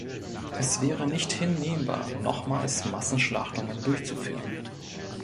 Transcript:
Es wäre nicht hinnehmbar, nochmals Massenschlachtungen durchzuführen.